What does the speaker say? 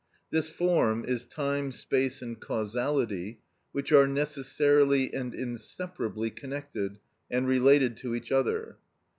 This form is time, space, and causality, which are necessarily and inseparably connected and related to each other.